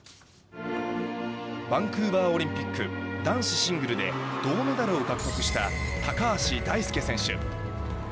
バンクーバーオリンピック男子シングルで銅メダルを獲得した高橋大輔選手。